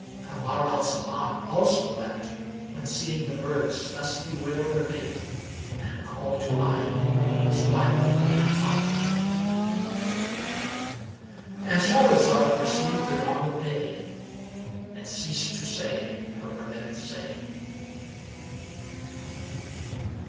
Kamar al Zaman also wept when seeing the birds thus bewail their mate, and called to mind his wife and father, And Shahrazed perceived the dawn of day and ceased to say her permitted say.